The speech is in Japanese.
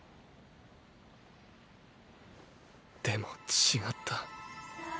でも違った。